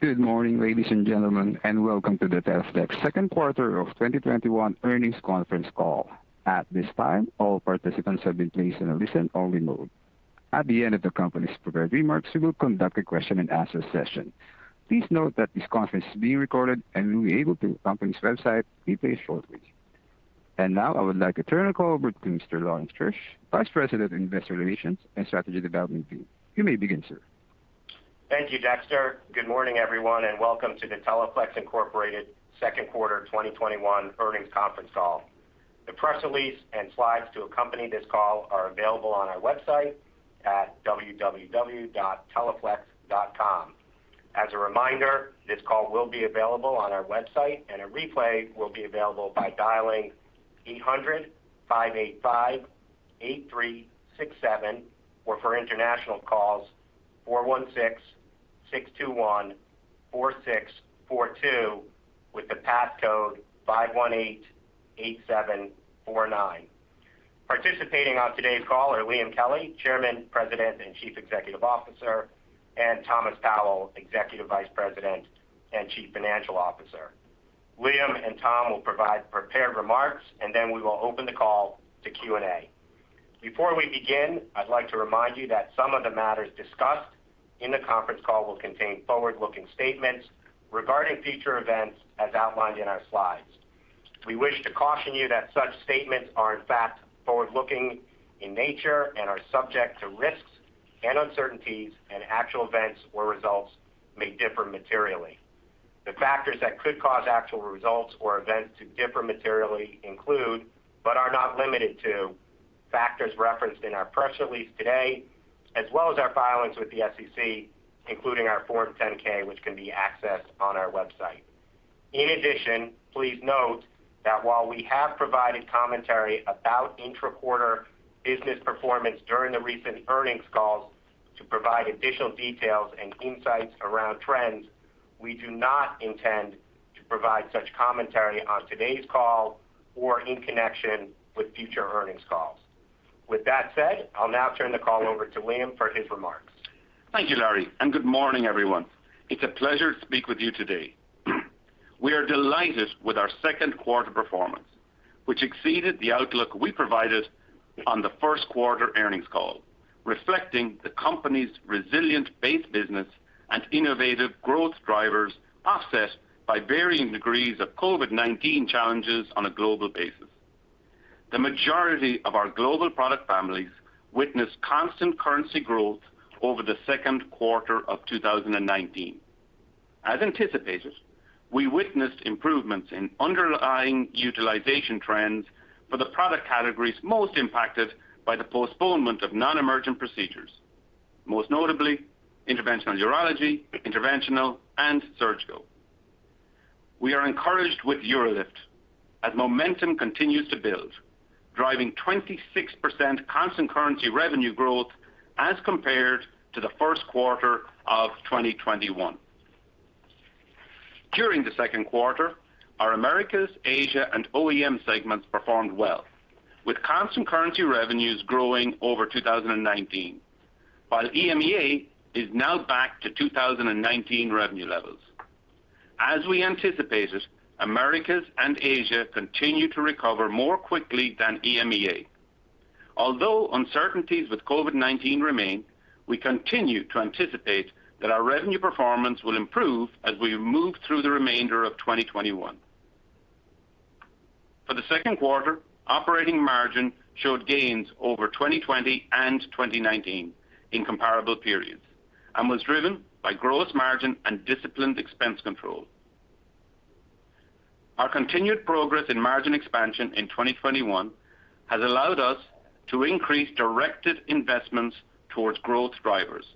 Good morning, ladies and gentlemen, welcome to the Teleflex second quarter of 2021 earnings conference call. At this time, all participants have been placed in a listen-only mode. At the end of the company's prepared remarks, we will conduct a question and answer session. Please note that this conference is being recorded and will be available through the company's website replay shortly. Now I would like to turn the call over to Mr. Lawrence Keusch, Vice President of Investor Relations and Strategy Development Group. You may begin, sir. Thank you, Dexter. Good morning, everyone, and welcome to the Teleflex Incorporated second quarter 2021 earnings conference call. The press release and slides to accompany this call are available on our website at www.teleflex.com. As a reminder, this call will be available on our website, and a replay will be available by dialing 800-585-8367, or for international calls, 416-621-4642 with the passcode 5188749. Participating on today's call are Liam Kelly, Chairman, President, and Chief Executive Officer, and Thomas Powell, Executive Vice President and Chief Financial Officer. Liam and Tom will provide prepared remarks, and then we will open the call to Q&A. Before we begin, I'd like to remind you that some of the matters discussed in the conference call will contain forward-looking statements regarding future events as outlined in our slides. We wish to caution you that such statements are in fact forward-looking in nature and are subject to risks and uncertainties, and actual events or results may differ materially. The factors that could cause actual results or events to differ materially include, but are not limited to, factors referenced in our press release today, as well as our filings with the SEC, including our Form 10-K, which can be accessed on our website. In addition, please note that while we have provided commentary about intra-quarter business performance during the recent earnings calls to provide additional details and insights around trends, we do not intend to provide such commentary on today's call or in connection with future earnings calls. With that said, I'll now turn the call over to Liam for his remarks. Thank you, Lawrence, good morning, everyone. It's a pleasure to speak with you today. We are delighted with our second quarter performance, which exceeded the outlook we provided on the first quarter earnings call, reflecting the company's resilient base business and innovative growth drivers offset by varying degrees of COVID-19 challenges on a global basis. The majority of our global product families witnessed constant currency growth over the second quarter of 2019. As anticipated, we witnessed improvements in underlying utilization trends for the product categories most impacted by the postponement of non-emergent procedures, most notably interventional urology, interventional, and surgical. We are encouraged with UroLift as momentum continues to build, driving 26% constant currency revenue growth as compared to the first quarter of 2021. During the second quarter, our Americas, Asia, and OEM segments performed well, with constant currency revenues growing over 2019, while EMEA is now back to 2019 revenue levels. As we anticipated, Americas and Asia continue to recover more quickly than EMEA. Although uncertainties with COVID-19 remain, we continue to anticipate that our revenue performance will improve as we move through the remainder of 2021. For the second quarter, operating margin showed gains over 2020 and 2019 in comparable periods and was driven by gross margin and disciplined expense control. Our continued progress in margin expansion in 2021 has allowed us to increase directed investments towards growth drivers,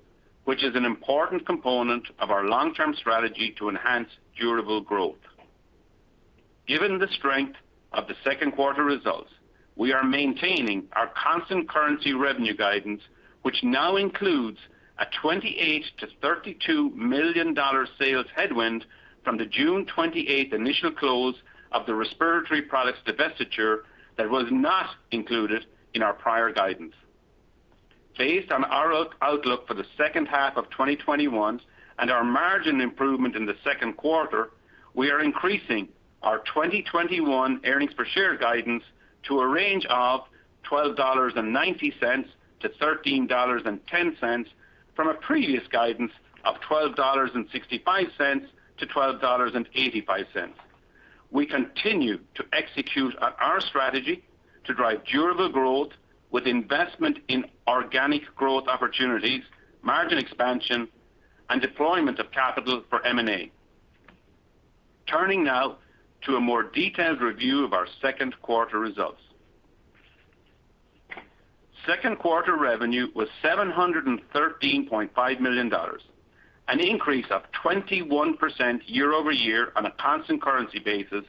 which is an important component of our long-term strategy to enhance durable growth. Given the strength of the second quarter results, we are maintaining our constant currency revenue guidance, which now includes a $28 million-$32 million sales headwind from the June 28th initial close of the respiratory products divestiture that was not included in our prior guidance. Based on our outlook for the second half of 2021 and our margin improvement in the second quarter, we are increasing our 2021 earnings per share guidance to a range of $12.90-$13.10, from a previous guidance of $12.65-$12.85. We continue to execute on our strategy to drive durable growth with investment in organic growth opportunities, margin expansion, and deployment of capital for M&A. Turning now to a more detailed review of our second quarter results. Second quarter revenue was $713.5 million, an increase of 21% year-over-year on a constant currency basis,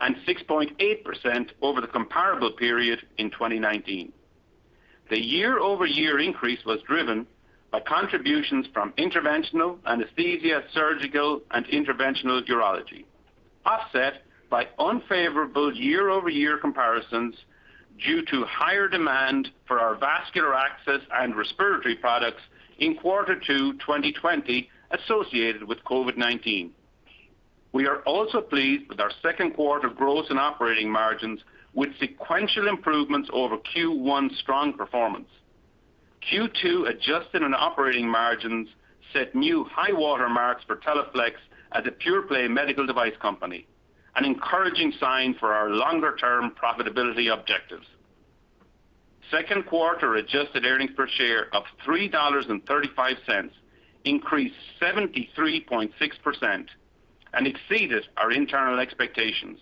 and 6.8% over the comparable period in 2019. The year-over-year increase was driven by contributions from interventional, anesthesia, surgical, and interventional urology, offset by unfavorable year-over-year comparisons due to higher demand for our vascular access and respiratory products in quarter two 2020 associated with COVID-19. We are also pleased with our second quarter growth in operating margins, with sequential improvements over Q1 strong performance. Q2 adjusted and operating margins set new high water marks for Teleflex as a pure play medical device company, an encouraging sign for our longer term profitability objectives. Second quarter adjusted earnings per share of $3.35 increased 73.6% and exceeded our internal expectations.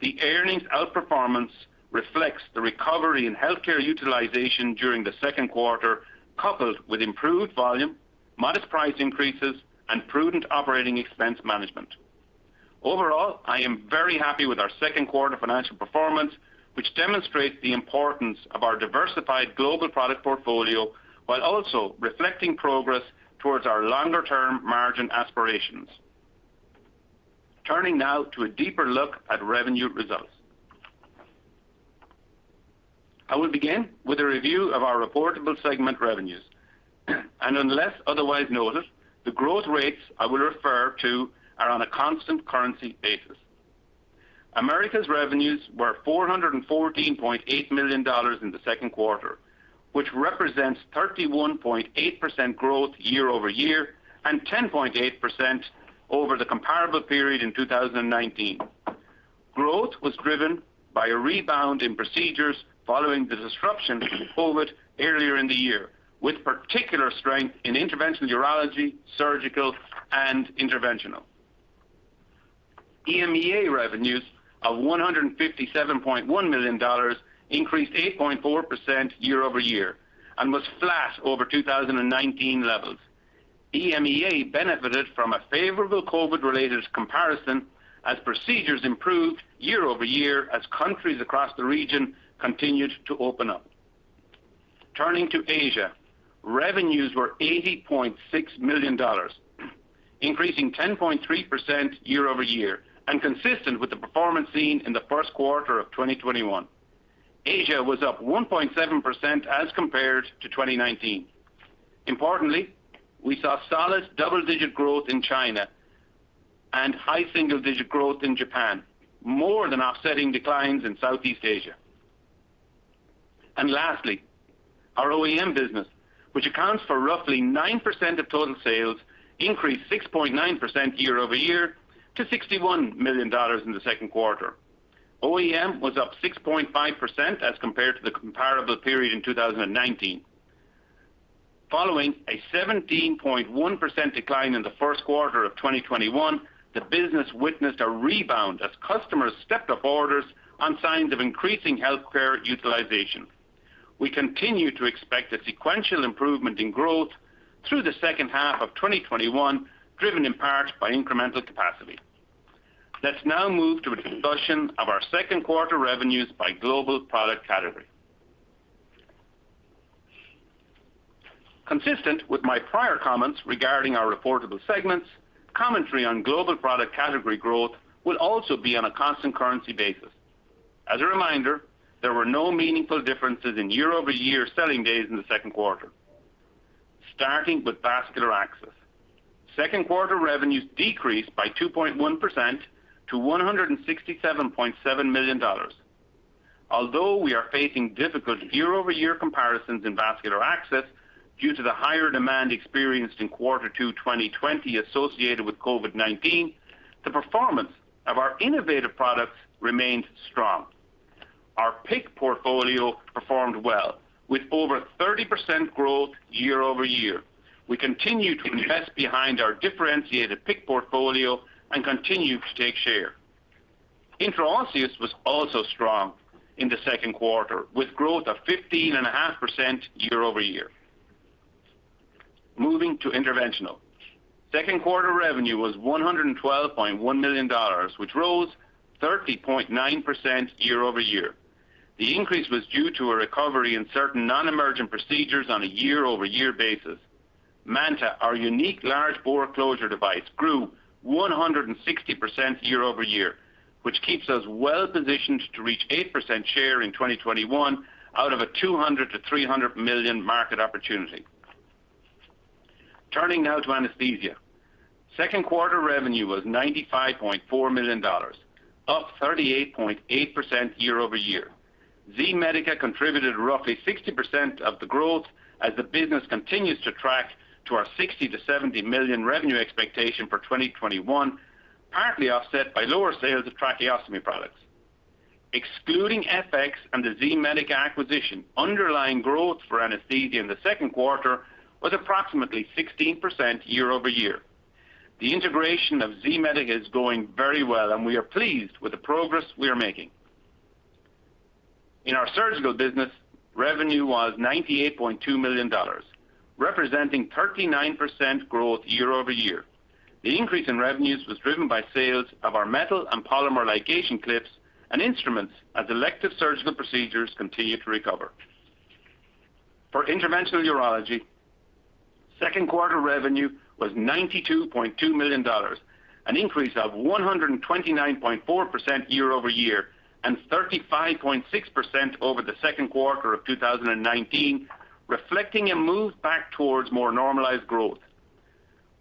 The earnings outperformance reflects the recovery in healthcare utilization during the second quarter, coupled with improved volume, modest price increases, and prudent operating expense management. Overall, I am very happy with our second quarter financial performance, which demonstrates the importance of our diversified global product portfolio while also reflecting progress towards our longer-term margin aspirations. Turning now to a deeper look at revenue results. I will begin with a review of our reportable segment revenues, and unless otherwise noted, the growth rates I will refer to are on a constant currency basis. Americas revenues were $414.8 million in the second quarter, which represents 31.8% growth year-over-year and 10.8% over the comparable period in 2019. Growth was driven by a rebound in procedures following the disruption from COVID earlier in the year, with particular strength in interventional urology, surgical, and interventional. EMEA revenues of $157.1 million increased 8.4% year-over-year and was flat over 2019 levels. EMEA benefited from a favorable COVID related comparison as procedures improved year-over-year as countries across the region continued to open up. Turning to Asia. Revenues were $80.6 million, increasing 10.3% year-over-year and consistent with the performance seen in the first quarter of 2021. Asia was up 1.7% as compared to 2019. Importantly, we saw solid double-digit growth in China and high single-digit growth in Japan, more than offsetting declines in Southeast Asia. Lastly, our OEM business, which accounts for roughly 9% of total sales, increased 6.9% year-over-year to $61 million in the second quarter. OEM was up 6.5% as compared to the comparable period in 2019. Following a 17.1% decline in the first quarter of 2021, the business witnessed a rebound as customers stepped up orders on signs of increasing healthcare utilization. We continue to expect a sequential improvement in growth through the second half of 2021, driven in part by incremental capacity. Let's now move to a discussion of our second quarter revenues by global product category. Consistent with my prior comments regarding our reportable segments, commentary on global product category growth will also be on a constant currency basis. As a reminder, there were no meaningful differences in year-over-year selling days in the second quarter. Starting with vascular access. Second quarter revenues decreased by 2.1% to $167.7 million. Although we are facing difficult year-over-year comparisons in vascular access due to the higher demand experienced in Q2 2020 associated with COVID-19, the performance of our innovative products remained strong. Our PICC portfolio performed well with over 30% growth year-over-year. We continue to invest behind our differentiated PICC portfolio and continue to take share. Intraosseous was also strong in the second quarter, with growth of 15.5% year-over-year. Moving to interventional. Second quarter revenue was $112.1 million, which rose 30.9% year-over-year. The increase was due to a recovery in certain non-emergent procedures on a year-over-year basis. MANTA, our unique large bore closure device, grew 160% year-over-year, which keeps us well positioned to reach 8% share in 2021 out of a $200 million-$300 million market opportunity. Turning now to anesthesia. Second quarter revenue was $95.4 million, up 38.8% year-over-year. Z-Medica contributed roughly 60% of the growth as the business continues to track to our $60 million-$70 million revenue expectation for 2021, partly offset by lower sales of tracheostomy products. Excluding FX and the Z-Medica acquisition, underlying growth for anesthesia in the second quarter was approximately 16% year-over-year. The integration of Z-Medica is going very well and we are pleased with the progress we are making. In our surgical business, revenue was $98.2 million, representing 39% growth year-over-year. The increase in revenues was driven by sales of our metal and polymer ligation clips and instruments as elective surgical procedures continue to recover. For interventional urology, second quarter revenue was $92.2 million, an increase of 129.4% year-over-year, and 35.6% over the second quarter of 2019, reflecting a move back towards more normalized growth.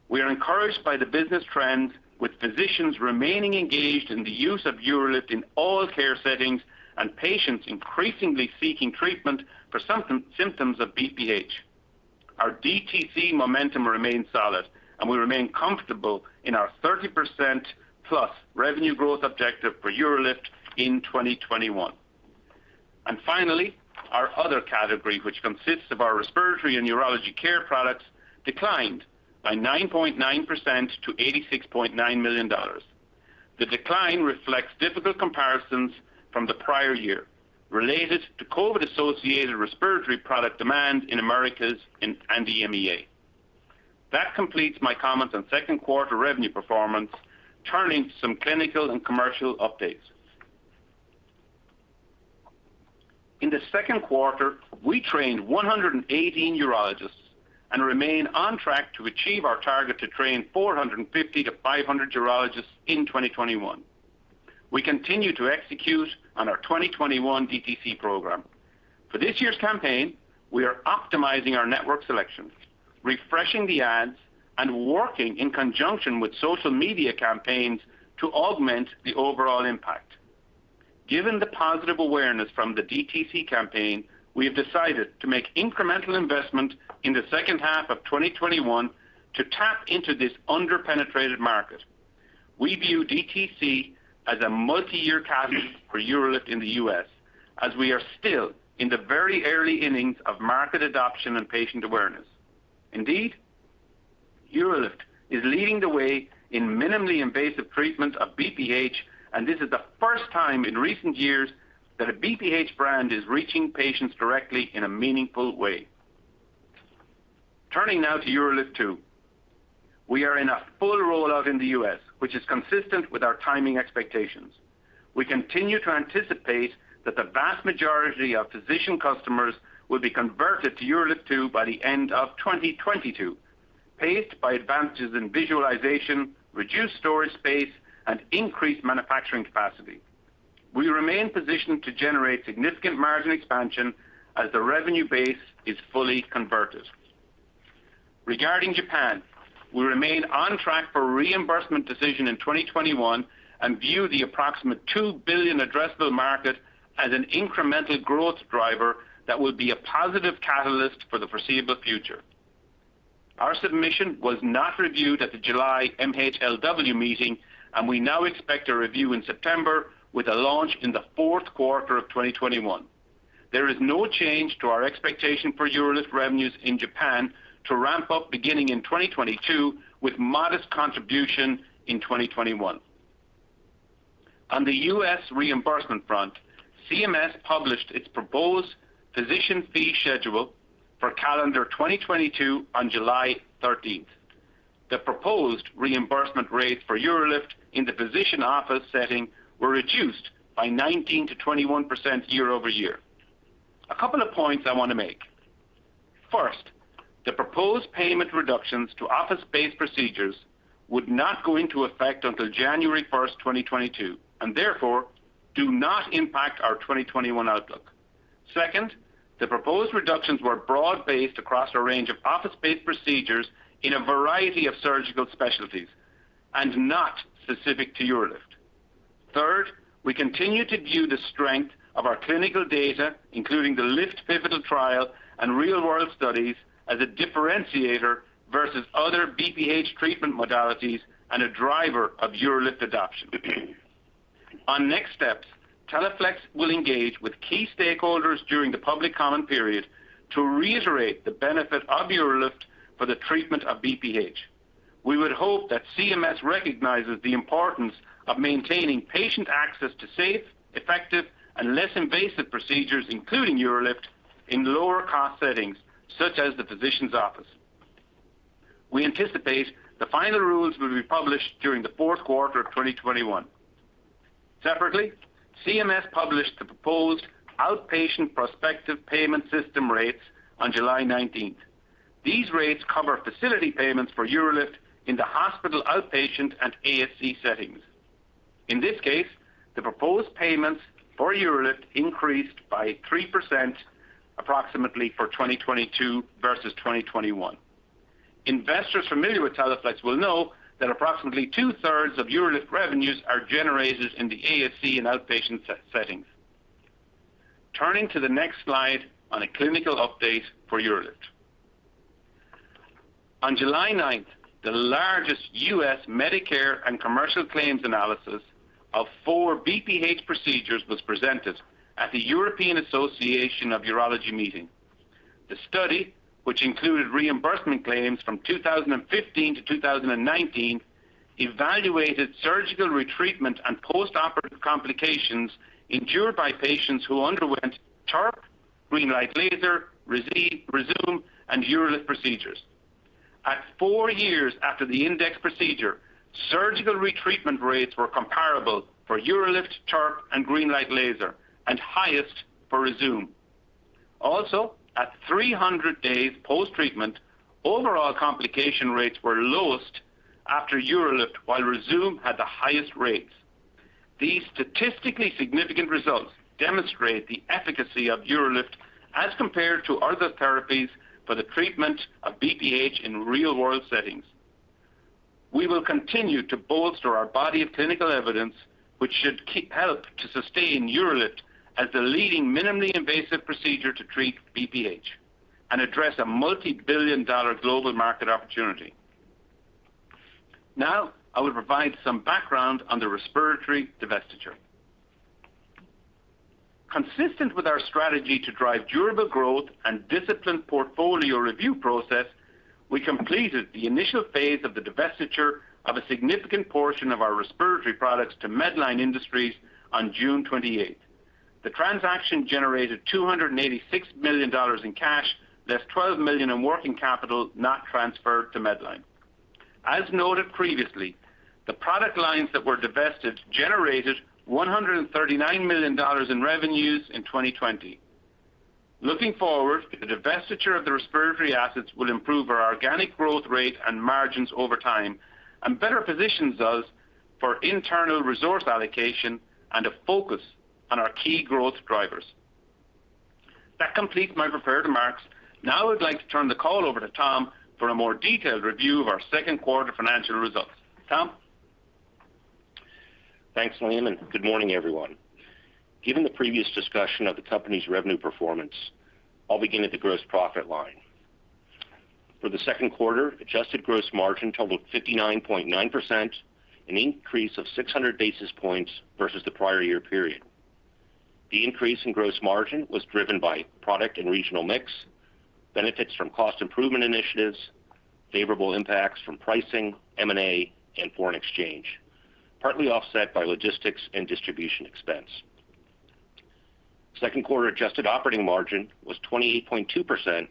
We are encouraged by the business trends, with physicians remaining engaged in the use of UroLift in all care settings and patients increasingly seeking treatment for symptoms of BPH. Our DTC momentum remains solid, and we remain comfortable in our 30% plus revenue growth objective for UroLift in 2021. Finally, our other category, which consists of our respiratory and urology care products, declined by 9.9% to $86.9 million. The decline reflects difficult comparisons from the prior year related to COVID-associated respiratory product demand in Americas and the EMEA. That completes my comments on second quarter revenue performance. Turning to some clinical and commercial updates. In the second quarter, we trained 118 urologists and remain on track to achieve our target to train 450 to 500 urologists in 2021. We continue to execute on our 2021 DTC program. For this year's campaign, we are optimizing our network selections, refreshing the ads, and working in conjunction with social media campaigns to augment the overall impact. Given the positive awareness from the DTC campaign, we have decided to make incremental investment in the second half of 2021 to tap into this under-penetrated market. We view DTC as a multi-year catalyst for UroLift in the U.S., as we are still in the very early innings of market adoption and patient awareness. Indeed, UroLift is leading the way in minimally invasive treatment of BPH, and this is the first time in recent years that a BPH brand is reaching patients directly in a meaningful way. Turning now to UroLift 2. We are in a full rollout in the U.S., which is consistent with our timing expectations. We continue to anticipate that the vast majority of physician customers will be converted to UroLift 2 by the end of 2022, paced by advances in visualization, reduced storage space, and increased manufacturing capacity. We remain positioned to generate significant margin expansion as the revenue base is fully converted. Regarding Japan, we remain on track for reimbursement decision in 2021 and view the approximate $2 billion addressable market as an incremental growth driver that will be a positive catalyst for the foreseeable future. Our submission was not reviewed at the July MHLW meeting, and we now expect a review in September with a launch in the fourth quarter of 2021. There is no change to our expectation for UroLift revenues in Japan to ramp up beginning in 2022, with modest contribution in 2021. On the U.S. reimbursement front, CMS published its proposed physician fee schedule for calendar 2022 on July 13th. The proposed reimbursement rates for UroLift in the physician office setting were reduced by 19%-21% year-over-year. A couple of points I want to make. First, the proposed payment reductions to office-based procedures would not go into effect until January 1st, 2022, and therefore, do not impact our 2021 outlook. Second, the proposed reductions were broad-based across a range of office-based procedures in a variety of surgical specialties and not specific to UroLift. We continue to view the strength of our clinical data, including the LIFT pivotal trial and real-world studies, as a differentiator versus other BPH treatment modalities and a driver of UroLift adoption. On next steps, Teleflex will engage with key stakeholders during the public comment period to reiterate the benefit of UroLift for the treatment of BPH. We would hope that CMS recognizes the importance of maintaining patient access to safe, effective, and less invasive procedures, including UroLift, in lower cost settings such as the physician's office. We anticipate the final rules will be published during the fourth quarter of 2021. Separately, CMS published the proposed outpatient prospective payment system rates on July 19th. These rates cover facility payments for UroLift in the hospital outpatient and ASC settings. In this case, the proposed payments for UroLift increased by 3% approximately for 2022 versus 2021. Investors familiar with Teleflex will know that approximately two-thirds of UroLift revenues are generated in the ASC and outpatient settings. Turning to the next slide on a clinical update for UroLift. On July 9th, the largest U.S. Medicare and commercial claims analysis of 4 BPH procedures was presented at the European Association of Urology meeting. The study, which included reimbursement claims from 2015 to 2019, evaluated surgical retreatment and postoperative complications endured by patients who underwent TURP, GreenLight laser, Rezūm, and UroLift procedures. At four years after the index procedure, surgical retreatment rates were comparable for UroLift, TURP, and GreenLight laser, and highest for Rezūm. At 300 days post-treatment, overall complication rates were lowest after UroLift, while Rezūm had the highest rates. These statistically significant results demonstrate the efficacy of UroLift as compared to other therapies for the treatment of BPH in real-world settings. We will continue to bolster our body of clinical evidence, which should help to sustain UroLift as the leading minimally invasive procedure to treat BPH and address a multi-billion dollar global market opportunity. Now, I will provide some background on the respiratory divestiture. Consistent with our strategy to drive durable growth and disciplined portfolio review process, we completed the initial phase of the divestiture of a significant portion of our respiratory products to Medline Industries on June 28th. The transaction generated $286 million in cash, less $12 million in working capital not transferred to Medline. As noted previously, the product lines that were divested generated $139 million in revenues in 2020. Looking forward, the divestiture of the respiratory assets will improve our organic growth rate and margins over time and better positions us for internal resource allocation and a focus on our key growth drivers. That completes my prepared remarks. Now I'd like to turn the call over to Tom for a more detailed review of our second quarter financial results. Tom? Thanks, Liam, and good morning, everyone. Given the previous discussion of the company's revenue performance, I'll begin at the gross profit line. For the second quarter, adjusted gross margin totaled 59.9%, an increase of 600 basis points versus the prior year period. The increase in gross margin was driven by product and regional mix, benefits from cost improvement initiatives, favorable impacts from pricing, M&A, and foreign exchange, partly offset by logistics and distribution expense. Second quarter adjusted operating margin was 28.2%,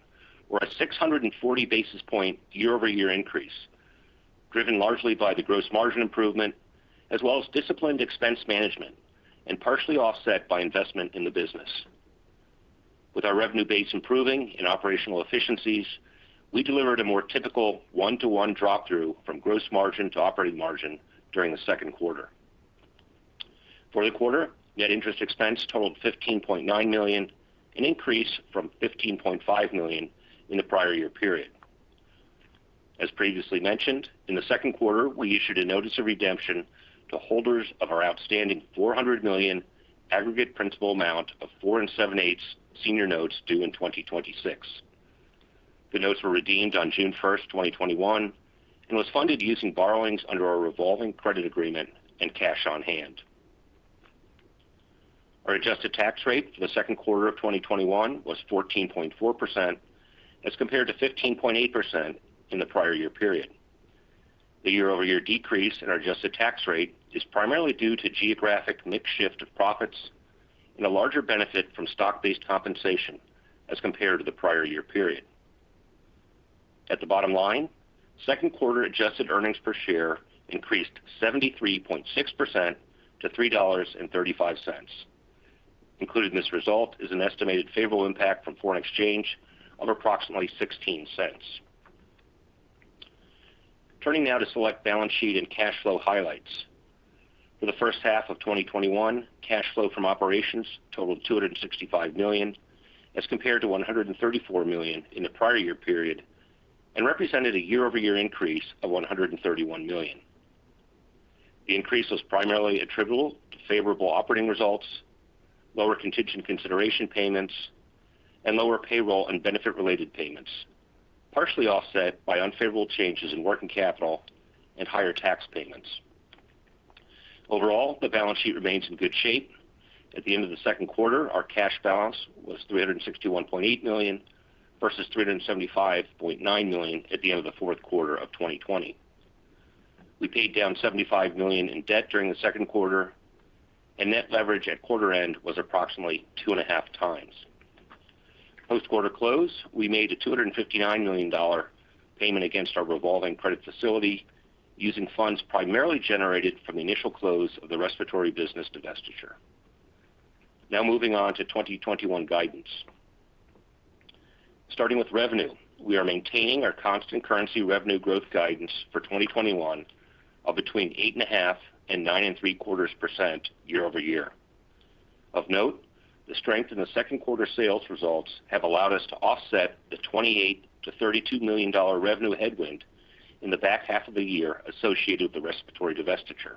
or a 640 basis point year-over-year increase, driven largely by the gross margin improvement as well as disciplined expense management, and partially offset by investment in the business. With our revenue base improving and operational efficiencies, we delivered a more typical one-to-one drop-through from gross margin to operating margin during the second quarter. For the quarter, net interest expense totaled $15.9 million, an increase from $15.5 million in the prior year period. As previously mentioned, in the second quarter, we issued a notice of redemption to holders of our outstanding $400 million aggregate principal amount of 4 7/8 senior notes due in 2026. The notes were redeemed on June 1st, 2021, and was funded using borrowings under our revolving credit agreement and cash on hand. Our adjusted tax rate for the second quarter of 2021 was 14.4%, as compared to 15.8% in the prior year period. The year-over-year decrease in our adjusted tax rate is primarily due to geographic mix shift of profits and a larger benefit from stock-based compensation as compared to the prior year period. At the bottom line, second quarter adjusted earnings per share increased 73.6% to $3.35. Included in this result is an estimated favorable impact from foreign exchange of approximately $0.16. Turning now to select balance sheet and cash flow highlights. For the first half of 2021, cash flow from operations totaled $265 million as compared to $134 million in the prior year period and represented a year-over-year increase of $131 million. The increase was primarily attributable to favorable operating results, lower contingent consideration payments, and lower payroll and benefit-related payments, partially offset by unfavorable changes in working capital and higher tax payments. Overall, the balance sheet remains in good shape. At the end of the second quarter, our cash balance was $361.8 million versus $375.9 million at the end of the fourth quarter of 2020. We paid down $75 million in debt during the second quarter, and net leverage at quarter end was approximately 2.5 times. Post quarter close, we made a $259 million payment against our revolving credit facility using funds primarily generated from the initial close of the respiratory business divestiture. Moving on to 2021 guidance. Starting with revenue, we are maintaining our constant currency revenue growth guidance for 2021 of between 8.5% and 9.75% year-over-year. Of note, the strength in the second quarter sales results have allowed us to offset the $28 million-$32 million revenue headwind in the back half of the year associated with the respiratory divestiture,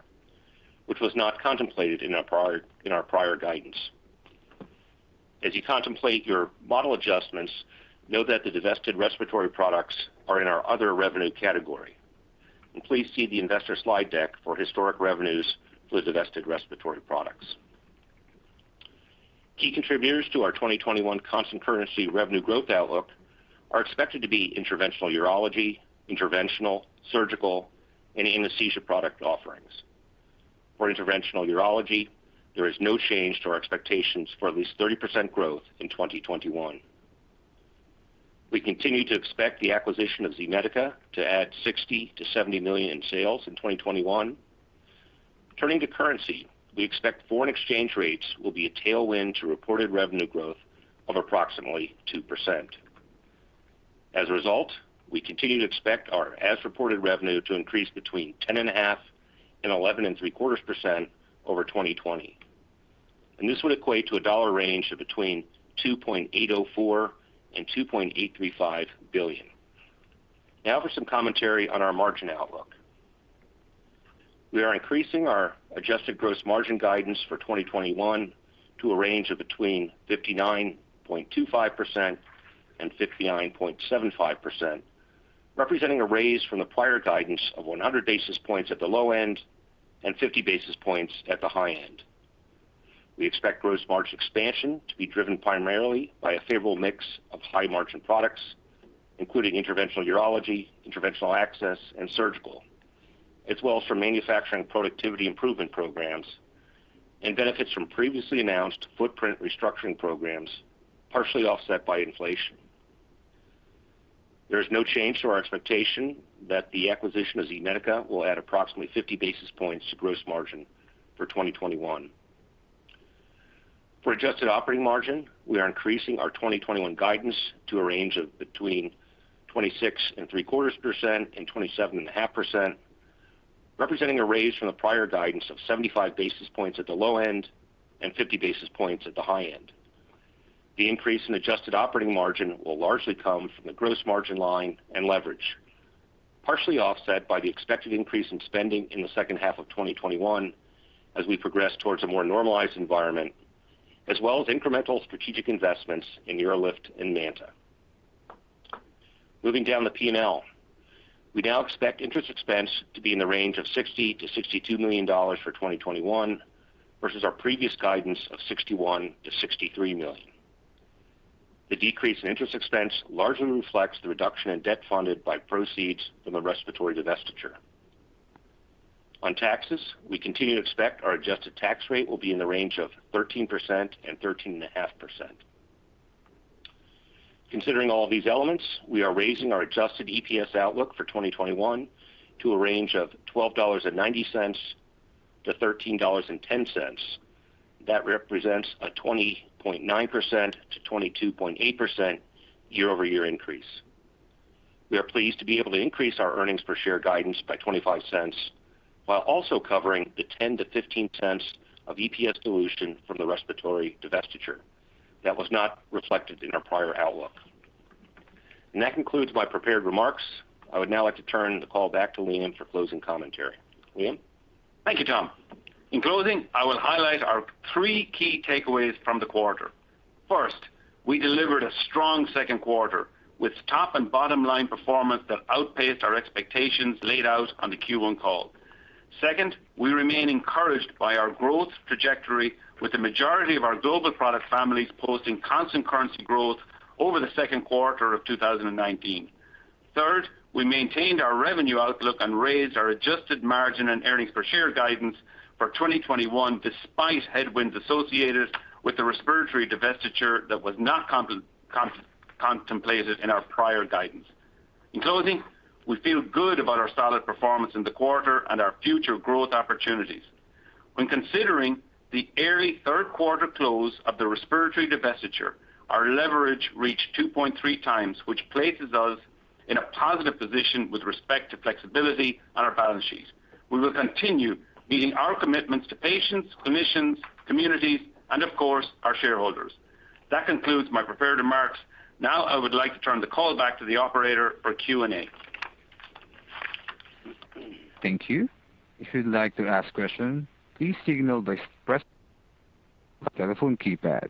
which was not contemplated in our prior guidance. As you contemplate your model adjustments, note that the divested respiratory products are in our other revenue category, and please see the investor slide deck for historic revenues for the divested respiratory products. Key contributors to our 2021 constant currency revenue growth outlook are expected to be interventional urology, interventional, surgical, and anesthesia product offerings. For interventional urology, there is no change to our expectations for at least 30% growth in 2021. We continue to expect the acquisition of Z-Medica to add $60 million-$70 million in sales in 2021. Turning to currency, we expect foreign exchange rates will be a tailwind to reported revenue growth of approximately 2%. As a result, we continue to expect our as-reported revenue to increase between 10.5% and 11.75% over 2020. This would equate to a dollar range of between $2.804 billion and $2.835 billion. Now for some commentary on our margin outlook. We are increasing our adjusted gross margin guidance for 2021 to a range of between 59.25% and 59.75%, representing a raise from the prior guidance of 100 basis points at the low end and 50 basis points at the high end. We expect gross margin expansion to be driven primarily by a favorable mix of high-margin products, including interventional urology, interventional access, and surgical, as well as from manufacturing productivity improvement programs and benefits from previously announced footprint restructuring programs, partially offset by inflation. There is no change to our expectation that the acquisition of Z-Medica will add approximately 50 basis points to gross margin for 2021. For adjusted operating margin, we are increasing our 2021 guidance to a range of between 26.75% and 27.5%, representing a raise from the prior guidance of 75 basis points at the low end and 50 basis points at the high end. The increase in adjusted operating margin will largely come from the gross margin line and leverage, partially offset by the expected increase in spending in the second half of 2021 as we progress towards a more normalized environment, as well as incremental strategic investments in UroLift and MANTA. Moving down the P&L. We now expect interest expense to be in the range of $60 million-$62 million for 2021 versus our previous guidance of $61 million-$63 million. The decrease in interest expense largely reflects the reduction in debt funded by proceeds from the respiratory divestiture. On taxes, we continue to expect our adjusted tax rate will be in the range of 13% and 13.5%. Considering all these elements, we are raising our adjusted EPS outlook for 2021 to a range of $12.90-$13.10. That represents a 20.9%-22.8% year-over-year increase. We are pleased to be able to increase our earnings per share guidance by $0.25 while also covering the $0.10-$0.15 of EPS dilution from the respiratory divestiture that was not reflected in our prior outlook. That concludes my prepared remarks. I would now like to turn the call back to Liam for closing commentary. Liam? Thank you, Tom. In closing, I will highlight our three key takeaways from the quarter. First, we delivered a strong second quarter with top and bottom-line performance that outpaced our expectations laid out on the Q1 call. Second, we remain encouraged by our growth trajectory with the majority of our global product families posting constant currency growth over the second quarter of 2019. Third, we maintained our revenue outlook and raised our adjusted margin and earnings per share guidance for 2021, despite headwinds associated with the respiratory divestiture that was not contemplated in our prior guidance. In closing, we feel good about our solid performance in the quarter and our future growth opportunities. When considering the early third quarter close of the respiratory divestiture, our leverage reached 2.3 times, which places us in a positive position with respect to flexibility on our balance sheet. We will continue meeting our commitments to patients, clinicians, communities, and of course, our shareholders. That concludes my prepared remarks. Now I would like to turn the call back to the operator for Q&A. Thank you. If you'd like to ask a question, please signal by pressing the telephone keypad.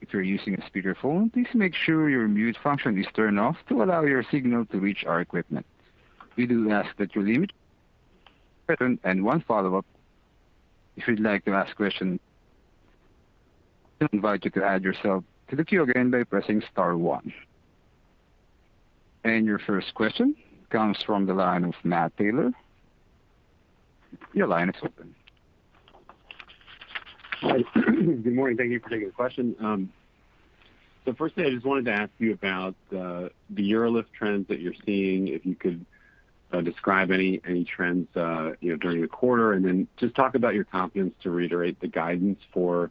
If you're using a speakerphone, please make sure your mute function is turned off to allow your signal to reach our equipment. We do ask that you limit your question to one follow-up. If you'd like to ask a question, we invite you to add yourself to the queue again by pressing star one. Your first question comes from the line of Matt Taylor. Your line is open. Good morning. Thank you for taking the question. Firstly, I just wanted to ask you about the UroLift trends that you're seeing, if you could describe any trends during the quarter, and then just talk about your confidence to reiterate the guidance for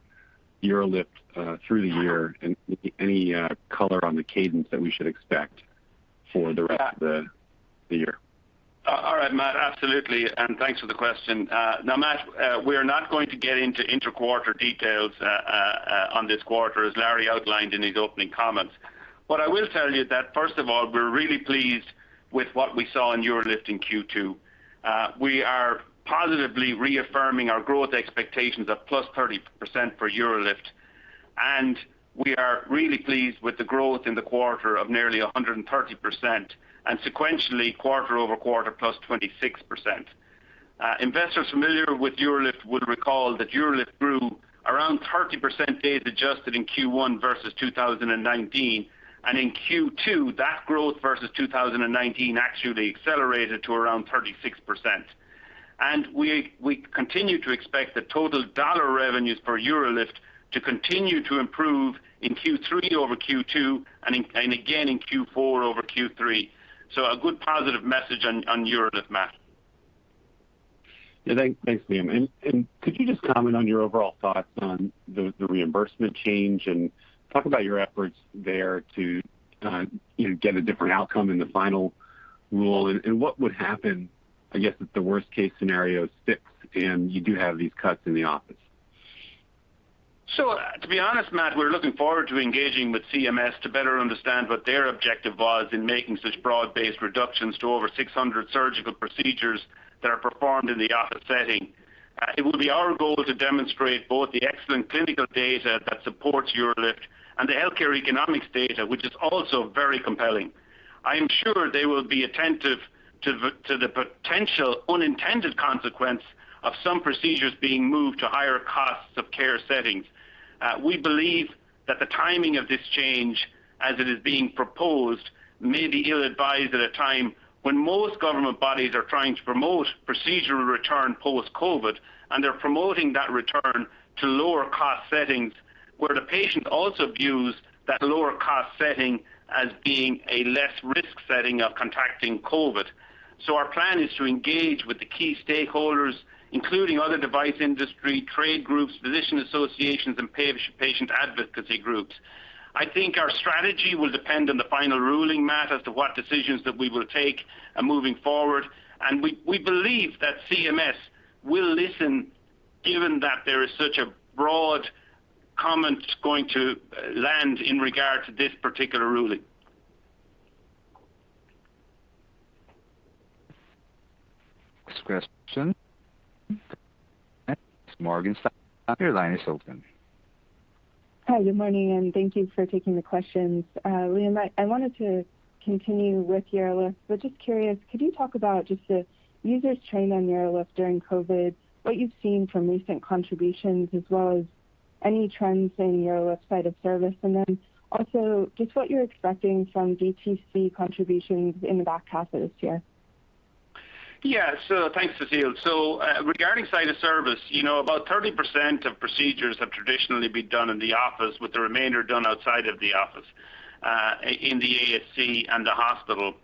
UroLift through the year and any color on the cadence that we should expect for the rest of the year. All right, Matt, absolutely, thanks for the question. Now, Matt, we're not going to get into inter-quarter details on this quarter, as Larry outlined in his opening comments. What I will tell you is that, first of all, we're really pleased with what we saw in UroLift in Q2. We are positively reaffirming our growth expectations of +30% for UroLift. We are really pleased with the growth in the quarter of nearly 130%, and sequentially quarter-over-quarter +26%. Investors familiar with UroLift would recall that UroLift grew around 30% data adjusted in Q1 versus 2019. In Q2, that growth versus 2019 actually accelerated to around 36%. We continue to expect the total dollar revenues for UroLift to continue to improve in Q3 over Q2 and again in Q4 over Q3. A good positive message on UroLift, Matt Yeah. Thanks, Liam. Could you just comment on your overall thoughts on the reimbursement change and talk about your efforts there to get a different outcome in the final rule and what would happen, I guess, if the worst-case scenario sticks and you do have these cuts in the office? To be honest, Matt, we're looking forward to engaging with CMS to better understand what their objective was in making such broad-based reductions to over 600 surgical procedures that are performed in the office setting. It will be our goal to demonstrate both the excellent clinical data that supports UroLift and the healthcare economics data, which is also very compelling. I am sure they will be attentive to the potential unintended consequence of some procedures being moved to higher costs of care settings. We believe that the timing of this change, as it is being proposed, may be ill-advised at a time when most government bodies are trying to promote procedural return post-COVID, and they're promoting that return to lower-cost settings, where the patient also views that lower-cost setting as being a less risk setting of contracting COVID. Our plan is to engage with the key stakeholders, including other device industry, trade groups, physician associations, and patient advocacy groups. I think our strategy will depend on the final ruling, Matt, as to what decisions that we will take moving forward. We believe that CMS will listen given that there is such a broad comment going to land in regard to this particular ruling. Next question. Morgan Stanley, your line is open. Hi, good morning, and thank you for taking the questions. Liam, I wanted to continue with UroLift, but just curious, could you talk about just the users trained on UroLift during COVID, what you've seen from recent contributions, as well as any trends in UroLift site of service, and then also just what you're expecting from DTC contributions in the back half of this year? Thanks, Cecile. Regarding site of service, about 30% of procedures have traditionally been done in the office, with the remainder done outside of the office, in the ASC and the hospital.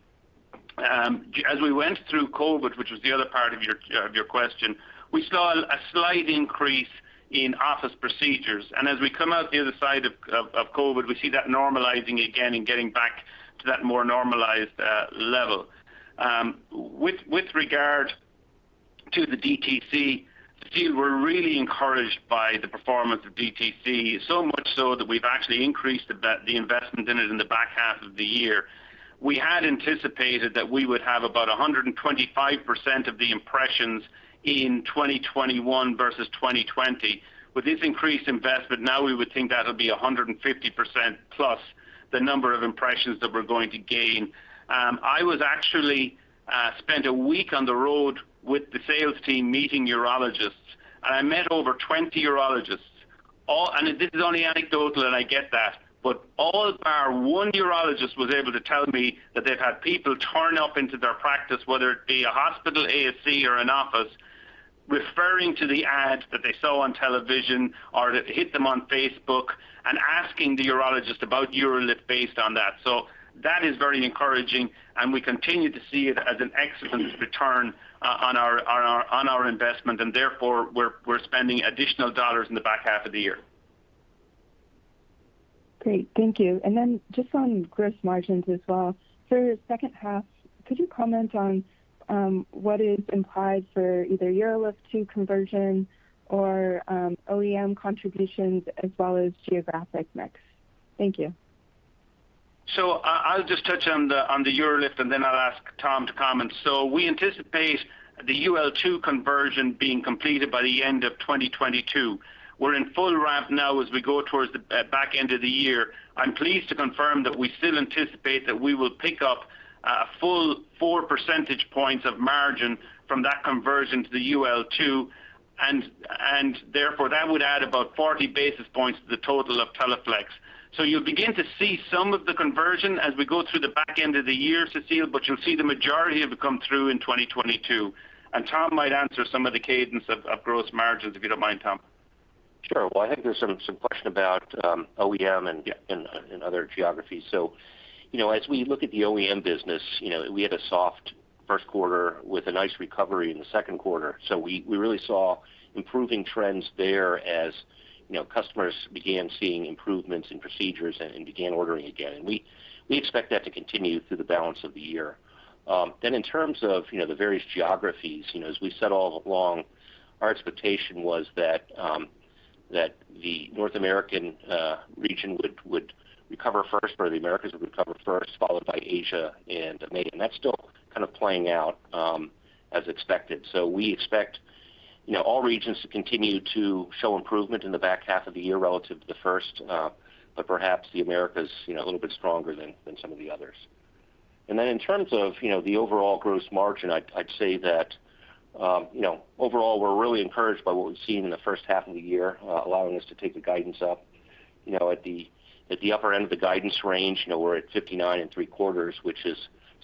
As we went through COVID, which was the other part of your question, we saw a slight increase in office procedures. As we come out the other side of COVID, we see that normalizing again and getting back to that more normalized level. With regard to the DTC, Cecile, we're really encouraged by the performance of DTC, so much so that we've actually increased the investment in it in the back half of the year. We had anticipated that we would have about 125% of the impressions in 2021 versus 2020. With this increased investment, now we would think that'll be 150% plus the number of impressions that we're going to gain. I actually spent a week on the road with the sales team meeting urologists. I met over 20 urologists. This is only anecdotal, and I get that, but all but one urologist was able to tell me that they've had people turn up into their practice, whether it be a hospital, ASC, or an office, referring to the ads that they saw on television or that hit them on Facebook and asking the urologist about UroLift based on that. That is very encouraging, and we continue to see it as an excellent return on our investment, and therefore, we're spending additional dollars in the back half of the year. Great. Thank you. Just on gross margins as well, for your 2nd half, could you comment on what is implied for either UroLift 2 conversion or OEM contributions as well as geographic mix? Thank you. I'll just touch on the UroLift, and then I'll ask Tom to comment. We anticipate the UL2 conversion being completed by the end of 2022. We're in full ramp now as we go towards the back end of the year. I'm pleased to confirm that we still anticipate that we will pick up a full four percentage points of margin from that conversion to the UL2, and therefore, that would add about 40 basis points to the total of Teleflex. You'll begin to see some of the conversion as we go through the back end of the year, Cecile, but you'll see the majority of it come through in 2022. Tom might answer some of the cadence of gross margins. If you don't mind, Tom. Sure. I think there's some question about OEM and other geographies. As we look at the OEM business, we had a soft first quarter with a nice recovery in the second quarter. We really saw improving trends there as customers began seeing improvements in procedures and began ordering again. We expect that to continue through the balance of the year. In terms of the various geographies, as we said all along, our expectation was that the North American region would recover first, or the Americas would recover first, followed by Asia and EMEA. That's still kind of playing out as expected. We expect all regions to continue to show improvement in the back half of the year relative to the first, but perhaps the Americas a little bit stronger than some of the others. In terms of the overall gross margin, I'd say that overall, we're really encouraged by what we've seen in the first half of the year, allowing us to take the guidance up. At the upper end of the guidance range, we're at 59.75%, which is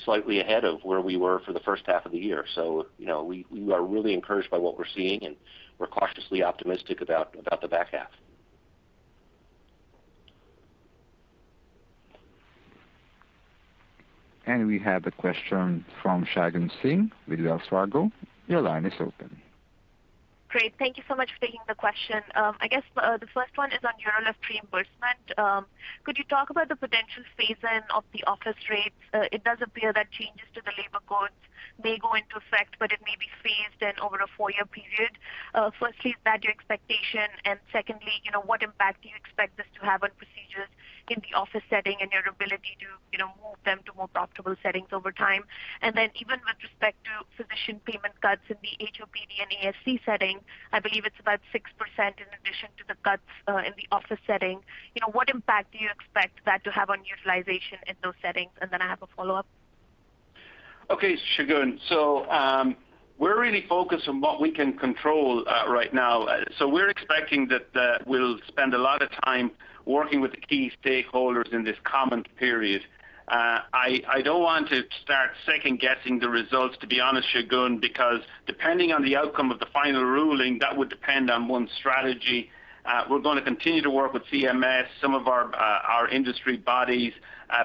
slightly ahead of where we were for the first half of the year. We are really encouraged by what we're seeing, and we're cautiously optimistic about the back half. We have a question from Shagun Singh with Wells Fargo. Your line is open. Great. Thank you so much for taking the question. I guess, the first one is on UroLift reimbursement. Could you talk about the potential phase-in of the office rates? It does appear that changes to the labor codes may go into effect, but it may be phased in over a four year period. Firstly, is that your expectation? Secondly, what impact do you expect this to have on procedures in the office setting and your ability to move them to more profitable settings over time? Even with respect to physician payment cuts in the HOPD and ASC setting, I believe it's about 6% in addition to the cuts in the office setting. What impact do you expect that to have on utilization in those settings? I have a follow-up. Okay, Shagun. We're really focused on what we can control right now. We're expecting that we'll spend a lot of time working with the key stakeholders in this comment period. I don't want to start second-guessing the results, to be honest, Shagun, because depending on the outcome of the final ruling, that would depend on one strategy. We're going to continue to work with CMS, some of our industry bodies,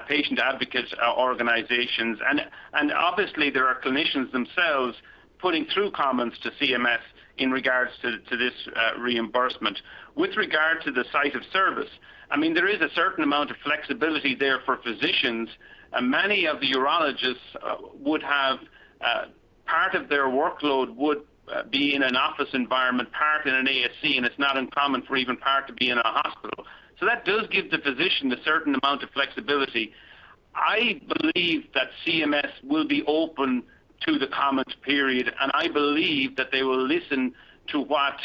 patient advocates organizations. Obviously, there are clinicians themselves putting through comments to CMS in regards to this reimbursement. With regard to the site of service, there is a certain amount of flexibility there for physicians. Many of the urologists, part of their workload would be in an office environment, part in an ASC, and it's not uncommon for even part to be in a hospital. That does give the physician a certain amount of flexibility. I believe that CMS will be open to the comments period, and I believe that they will listen to what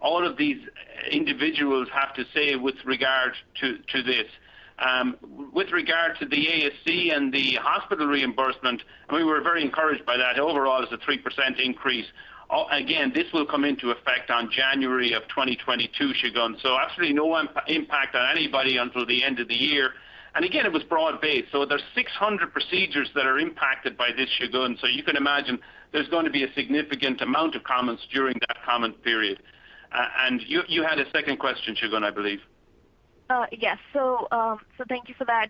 all of these individuals have to say with regard to this. With regard to the ASC and the hospital reimbursement, we were very encouraged by that. Overall, it's a 3% increase. This will come into effect on January of 2022, Shagun. Absolutely no impact on anybody until the end of the year. Again, it was broad-based. There's 600 procedures that are impacted by this, Shagun. You can imagine there's going to be a significant amount of comments during that comment period. You had a second question, Shagun, I believe. Yes. Thank you for that.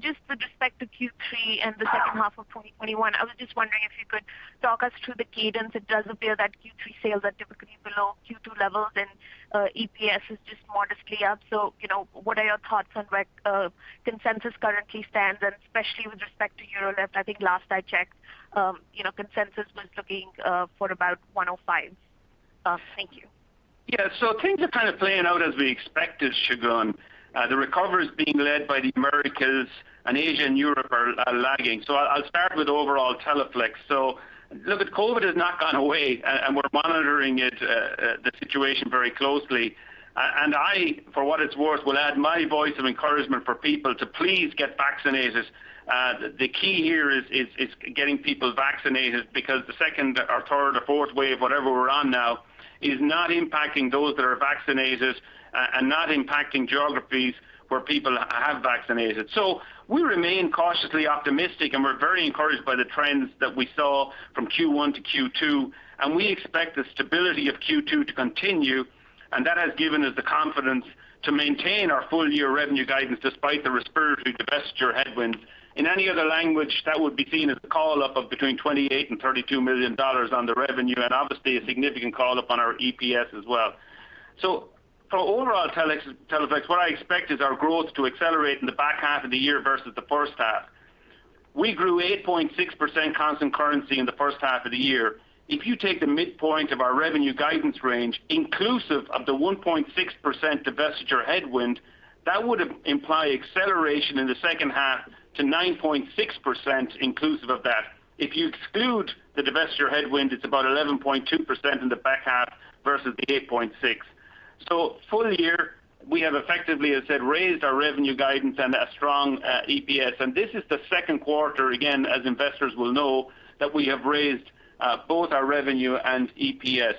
Just with respect to Q3 and the second half of 2021, I was just wondering if you could talk us through the cadence. It does appear that Q3 sales are typically below Q2 levels, and EPS is just modestly up. What are your thoughts on where consensus currently stands, and especially with respect to UroLift? I think last I checked, consensus was looking for about $105. Thank you. Things are kind of playing out as we expected, Shagun. The recovery is being led by the Americas, and Asia and Europe are lagging. I'll start with overall Teleflex. Look, COVID has not gone away, and we're monitoring the situation very closely. I, for what it's worth, will add my voice of encouragement for people to please get vaccinated. The key here is getting people vaccinated because the second or third or fourth wave, whatever we're on now, is not impacting those that are vaccinated and not impacting geographies where people have vaccinated. We remain cautiously optimistic, and we're very encouraged by the trends that we saw from Q1 to Q2, and we expect the stability of Q2 to continue, and that has given us the confidence to maintain our full-year revenue guidance despite the respiratory divestiture headwinds. In any other language, that would be seen as a call-up of between $28 million and $32 million on the revenue, and obviously, a significant call-up on our EPS as well. For overall Teleflex, what I expect is our growth to accelerate in the back half of the year versus the first half. We grew 8.6% constant currency in the first half of the year. If you take the midpoint of our revenue guidance range, inclusive of the 1.6% divestiture headwind, that would imply acceleration in the second half to 9.6% inclusive of that. If you exclude the divestiture headwind, it's about 11.2% in the back half versus the 8.6%. Full year, we have effectively, as I said, raised our revenue guidance and a strong EPS. This is the second quarter, again, as investors will know, that we have raised both our revenue and EPS.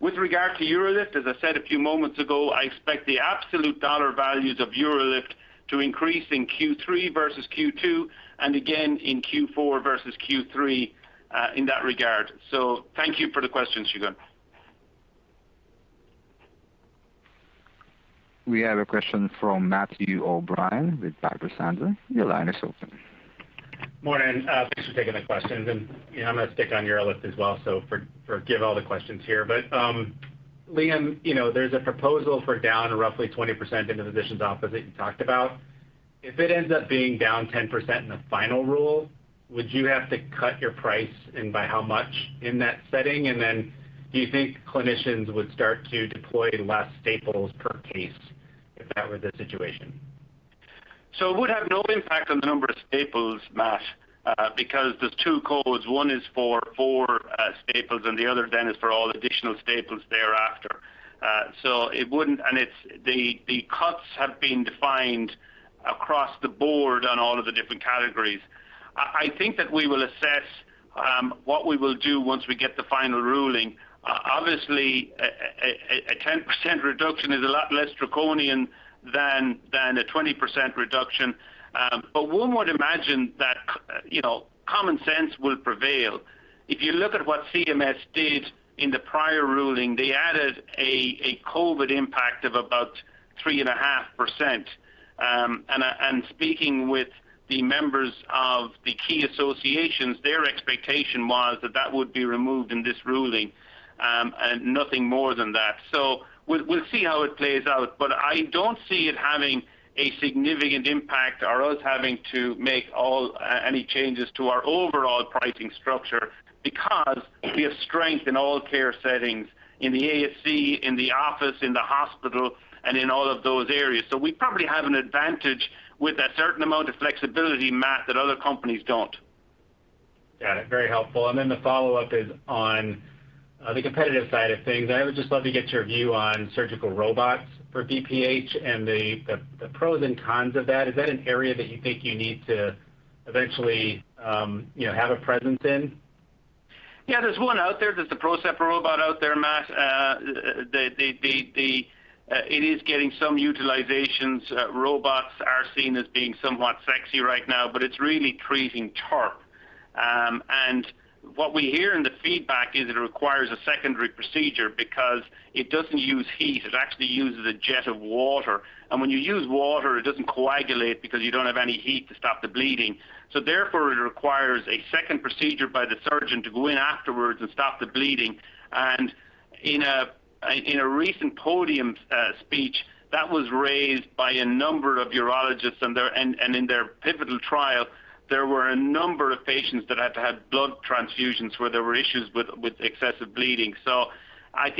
With regard to UroLift, as I said a few moments ago, I expect the absolute dollar values of UroLift to increase in Q3 versus Q2, and again in Q4 versus Q3 in that regard. Thank you for the question, Shagun. We have a question from Matthew O'Brien with Piper Sandler. Your line is open. Morning. Thanks for taking the questions. I'm going to stick on UroLift as well. Forgive all the questions here. Liam, there's a proposal for down roughly 20% in the physician's office that you talked about. If it ends up being down 10% in the final rule, would you have to cut your price, by how much in that setting? Do you think clinicians would start to deploy less staples per case if that were the situation? It would have no impact on the number of staples, Matt, because there's two codes. One is for four staples, and the other then is for all additional staples thereafter. It wouldn't, and the cuts have been defined across the board on all of the different categories. I think that we will assess what we will do once we get the final ruling. Obviously, a 10% reduction is a lot less draconian than a 20% reduction. One would imagine that common sense will prevail. If you look at what CMS did in the prior ruling, they added a COVID impact of about 3.5%. Speaking with the members of the key associations, their expectation was that that would be removed in this ruling, and nothing more than that. We'll see how it plays out, but I don't see it having a significant impact or us having to make any changes to our overall pricing structure, because we have strength in all care settings, in the ASC, in the office, in the hospital, and in all of those areas. We probably have an advantage with a certain amount of flexibility, Matt, that other companies don't. Got it. Very helpful. The follow-up is on the competitive side of things. I would just love to get your view on surgical robots for BPH and the pros and cons of that. Is that an area that you think you need to eventually have a presence in? Yeah, there's one out there. There's the PROCEPT robot out there, Matt. It is getting some utilizations. Robots are seen as being somewhat sexy right now, it's really treating TURP. What we hear in the feedback is it requires a secondary procedure because it doesn't use heat. It actually uses a jet of water. When you use water, it doesn't coagulate because you don't have any heat to stop the bleeding. Therefore, it requires a second procedure by the surgeon to go in afterwards and stop the bleeding. In a recent podium speech, that was raised by a number of urologists, and in their pivotal trial, there were a number of patients that had to have blood transfusions where there were issues with excessive bleeding. I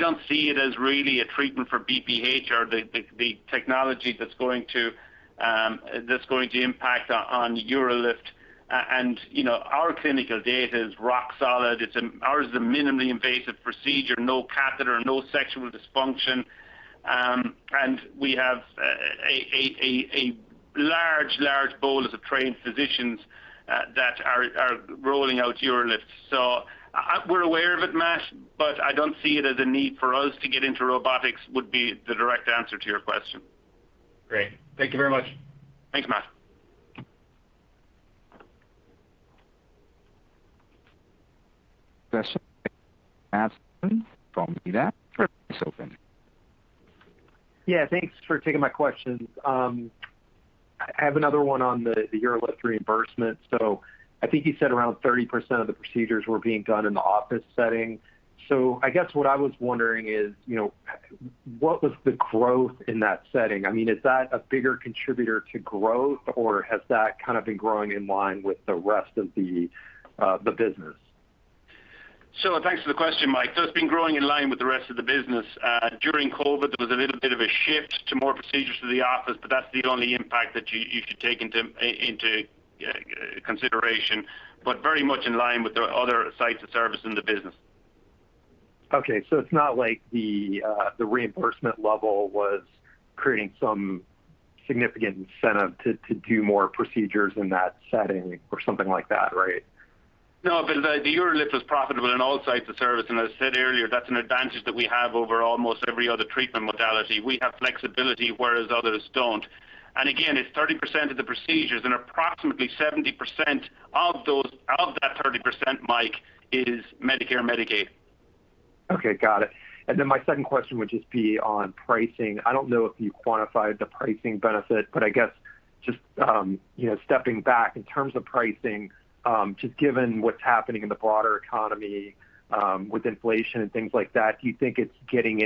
don't see it as really a treatment for BPH or the technology that's going to impact on UroLift. Our clinical data is rock solid. Ours is a minimally invasive procedure, no catheter, no sexual dysfunction. We have a large bolus of trained physicians that are rolling out UroLift. We're aware of it, Matt, but I don't see it as a need for us to get into robotics, would be the direct answer to your question. Great. Thank you very much. Thanks, Matt. Thanks for taking my questions. I have another one on the UroLift reimbursement. I think you said around 30% of the procedures were being done in the office setting. I guess what I was wondering is, what was the growth in that setting? Is that a bigger contributor to growth, or has that kind of been growing in line with the rest of the business? Thanks for the question, Mike. It's been growing in line with the rest of the business. During COVID, there was a little bit of a shift to more procedures to the office, but that's the only impact that you should take into consideration. Very much in line with the other sites of service in the business. Okay. It's not like the reimbursement level was creating some significant incentive to do more procedures in that setting or something like that, right? No, the UroLift was profitable in all sites of service. As I said earlier, that's an advantage that we have over almost every other treatment modality. We have flexibility, whereas others don't. Again, it's 30% of the procedures and approximately 70% of that 30%, Mike, is Medicare/Medicaid. Okay. Got it. My second question would just be on pricing. I don't know if you quantified the pricing benefit, but I guess just stepping back in terms of pricing, just given what's happening in the broader economy with inflation and things like that, do you think it's getting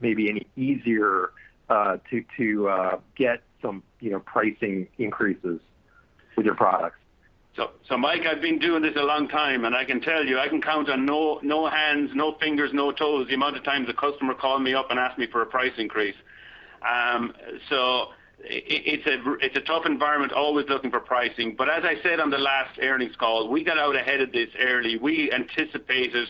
maybe any easier to get some pricing increases with your products? Mike, I've been doing this a long time, and I can tell you, I can count on no hands, no fingers, no toes, the amount of times a customer called me up and asked me for a price increase. It's a tough environment, always looking for pricing. As I said on the last earnings call, we got out ahead of this early. We anticipated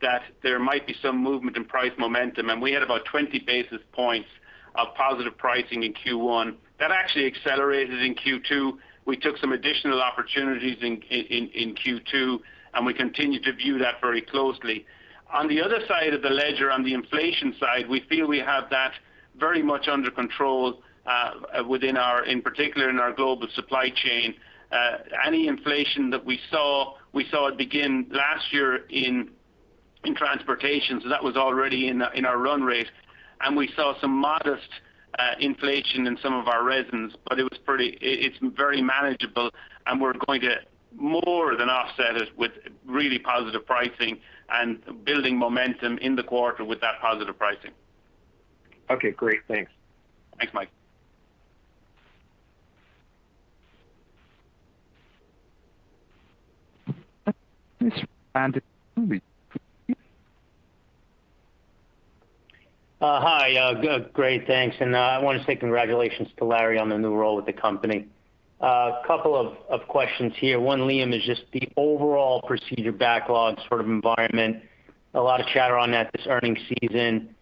that there might be some movement in price momentum, and we had about 20 basis points of positive pricing in Q1. That actually accelerated in Q2. We took some additional opportunities in Q2, and we continue to view that very closely. On the other side of the ledger, on the inflation side, we feel we have that very much under control in particular in our global supply chain. Any inflation that we saw, we saw it begin last year in transportation, so that was already in our run rate. We saw some modest inflation in some of our resins, but it's very manageable and we're going to more than offset it with really positive pricing and building momentum in the quarter with that positive pricing. Okay, great. Thanks. Thanks, Mike. Hi. Great. Thanks. I want to say congratulations to Larry on the new role with the company. A couple of questions here. One, Liam, is just the overall procedure backlog sort of environment. A lot of chatter on that this earnings season.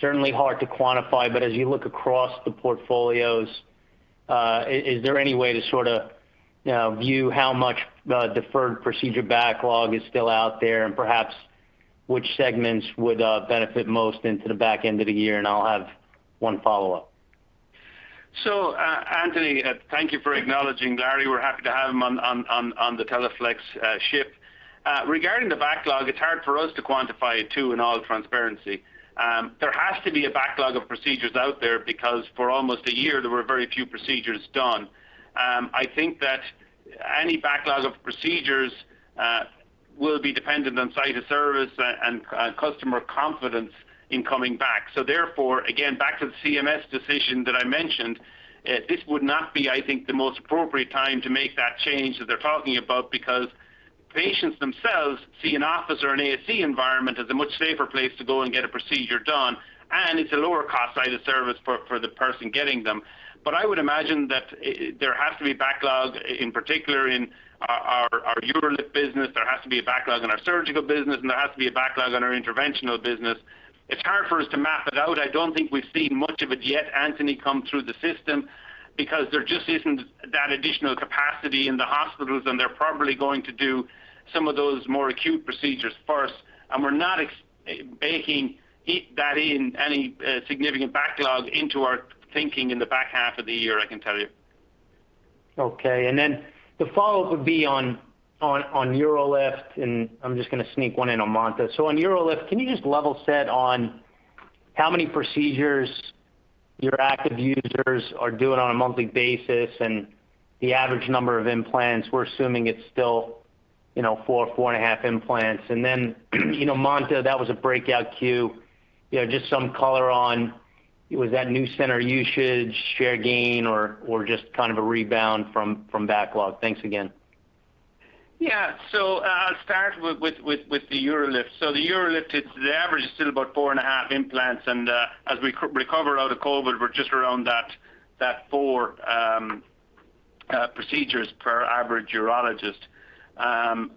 Certainly hard to quantify, as you look across the portfolios, is there any way to sort of view how much deferred procedure backlog is still out there? Perhaps which segments would benefit most into the back end of the year? I'll have one follow-up. Anthony, thank you for acknowledging Larry. We're happy to have him on the Teleflex ship. Regarding the backlog, it's hard for us to quantify it too, in all transparency. There has to be a backlog of procedures out there because for almost one year, there were very few procedures done. I think that any backlog of procedures will be dependent on site of service and customer confidence in coming back. Therefore, again, back to the CMS decision that I mentioned, this would not be, I think, the most appropriate time to make that change that they're talking about because patients themselves see an office or an ASC environment as a much safer place to go and get a procedure done, and it's a lower cost site of service for the person getting them. I would imagine that there has to be backlog, in particular in our UroLift business. There has to be a backlog in our surgical business, and there has to be a backlog on our interventional business. It's hard for us to map it out. I don't think we've seen much of it yet, Anthony, come through the system because there just isn't that additional capacity in the hospitals, and they're probably going to do some of those more acute procedures first. We're not baking that in any significant backlog into our thinking in the back half of the year, I can tell you. Okay. The follow-up would be on UroLift, and I'm just going to sneak one in on MANTA. On UroLift, can you just level set on how many procedures your active users are doing on a monthly basis and the average number of implants? We're assuming it's still four, four and a half implants. MANTA, that was a breakout Q. Just some color on, was that new center usage, share gain, or just kind of a rebound from backlog? Thanks again. I'll start with the UroLift. The UroLift, the average is still about four and a half implants. As we recover out of COVID, we're just around that four procedures per average urologist.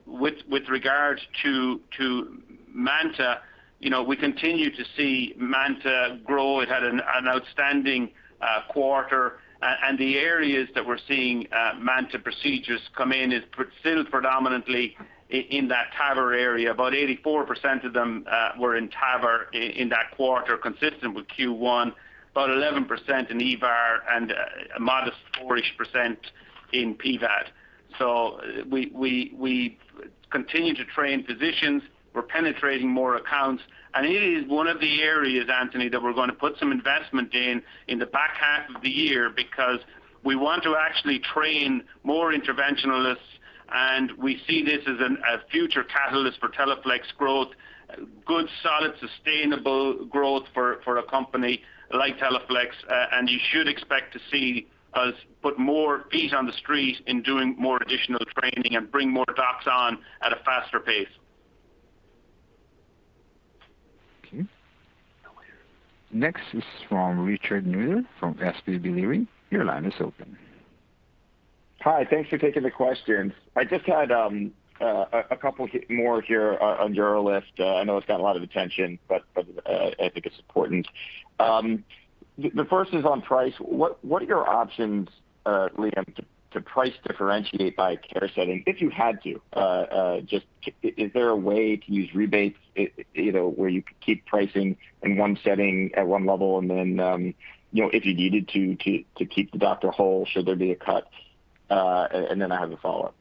With regard to MANTA, we continue to see MANTA grow. It had an outstanding quarter. The areas that we're seeing MANTA procedures come in is still predominantly in that TAVR area. About 84% of them were in TAVR in that quarter, consistent with Q1, about 11% in EVAR and a modest 4%-ish in pVAD. We continue to train physicians. We're penetrating more accounts. It is one of the areas, Anthony, that we're going to put some investment in in the back half of the year because we want to actually train more interventionalists, and we see this as a future catalyst for Teleflex growth. Good, solid, sustainable growth for a company like Teleflex. You should expect to see us put more feet on the street in doing more additional training and bring more docs on at a faster pace. Okay. Next is from Richard Newitter from SVB Leerink. Your line is open. Hi. Thanks for taking the questions. I just had a couple more here on UroLift. I know it's got a lot of attention. I think it's important. The first is on price. What are your options, Liam, to price differentiate by care setting if you had to? Just is there a way to use rebates, where you could keep pricing in one setting at one level and if you needed to keep the doctor whole, should there be a cut? I have a follow-up.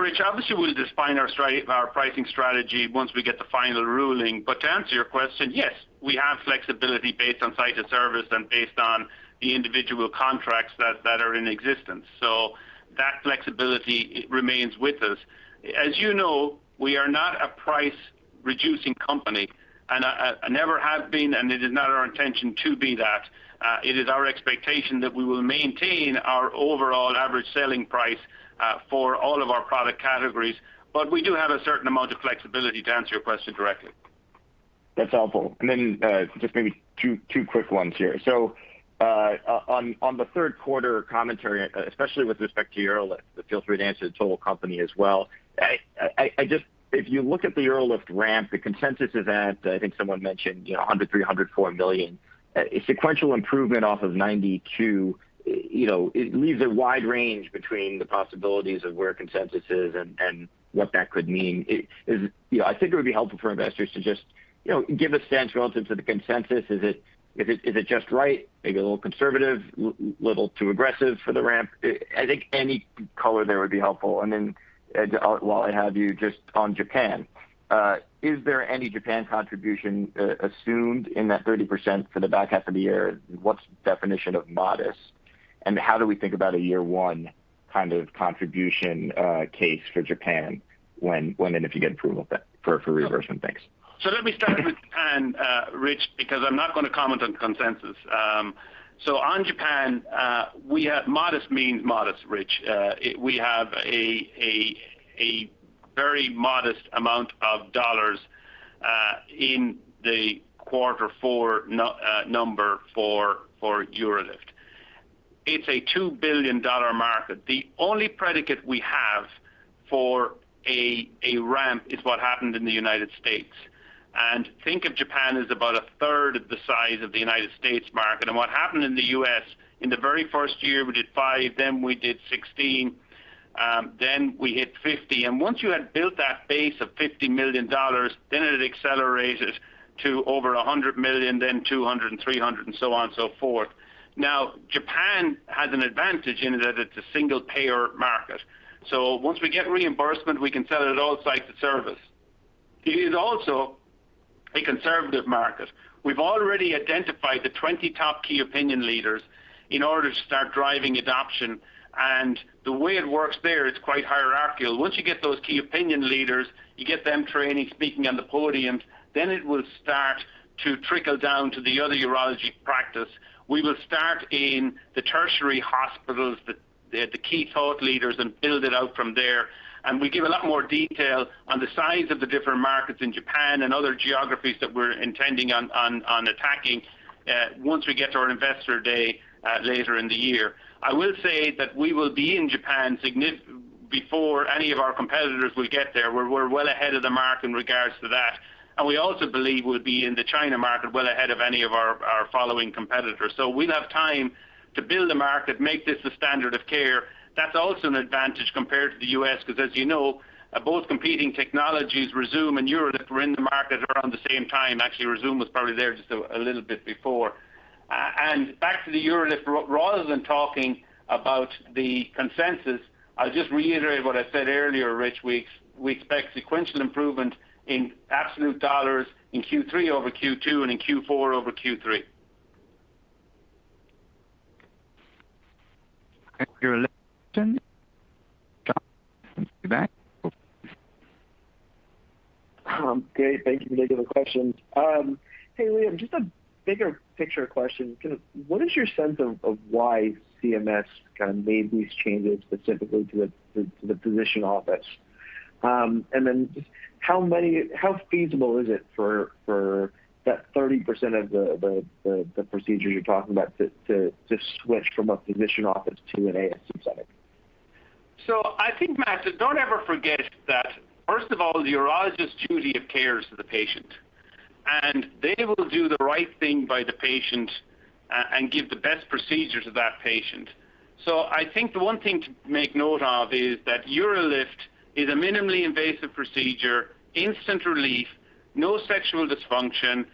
Rich, obviously, we'll define our pricing strategy once we get the final ruling. To answer your question, yes, we have flexibility based on site of service and based on the individual contracts that are in existence. That flexibility remains with us. As you know, we are not a price-reducing company, and never have been, and it is not our intention to be that. It is our expectation that we will maintain our overall average selling price for all of our product categories, we do have a certain amount of flexibility to answer your question directly. That's helpful. Just maybe two quick ones here. On the 3rd quarter commentary, especially with respect to UroLift, but feel free to answer the total company as well. If you look at the UroLift ramp, the consensus is at, I think someone mentioned $100 million-$104 million. A sequential improvement off of $92, it leaves a wide range between the possibilities of where consensus is and what that could mean. I think it would be helpful for investors to just give a sense relative to the consensus. Is it just right? Maybe a little conservative, little too aggressive for the ramp? I think any color there would be helpful. While I have you, just on Japan. Is there any Japan contribution assumed in that 30% for the back half of the year? What's the definition of modest? How do we think about a year one kind of contribution case for Japan when and if you get approval for reimbursement? Thanks. Let me start with Japan, Rich, because I am not going to comment on consensus. On Japan, modest means modest, Rich. We have a very modest amount of dollars in the quarter four number for UroLift. It is a $2 billion market. The only predicate we have for a ramp is what happened in the United States, and think of Japan as about a third of the size of the United States market. What happened in the U.S., in the very first year, we did five, then we did 16, then we hit 50. Once you had built that base of $50 million, then it accelerated to over $100 million, then $200 million and $300 million and so on and so forth. Japan has an advantage in that it is a single-payer market. Once we get reimbursement, we can sell it all site to service. It is also a conservative market. We've already identified the 20 top key opinion leaders in order to start driving adoption, and the way it works there, it's quite hierarchical. Once you get those key opinion leaders, you get them training, speaking on the podiums, then it will start to trickle down to the other urology practice. We will start in the tertiary hospitals, the key thought leaders, and build it out from there, and we give a lot more detail on the size of the different markets in Japan and other geographies that we're intending on attacking once we get to our investor day later in the year. I will say that we will be in Japan before any of our competitors will get there. We're well ahead of the mark in regards to that. We also believe we'll be in the China market well ahead of any of our following competitors. We'll have time to build a market, make this the standard of care. That's also an advantage compared to the U.S., because as you know, both competing technologies, Rezūm and UroLift, were in the market around the same time. Actually, Rezūm was probably there just a little bit before. Back to the UroLift, rather than talking about the consensus, I'll just reiterate what I said earlier, Rich. We expect sequential improvement in absolute dollar in Q3 over Q2 and in Q4 over Q3. Thank you. Great. Thank you for taking the question. Liam, just a bigger picture question. What is your sense of why CMS kind of made these changes specifically to the physician office? Then just how feasible is it for that 30% of the procedure you're talking about to switch from a physician office to an ASC setting? I think, Matt, don't ever forget that first of all, the urologist's duty of care is to the patient, and they will do the right thing by the patient and give the best procedure to that patient. I think the one thing to make note of is that UroLift is a minimally invasive procedure, instant relief, no sexual dysfunction,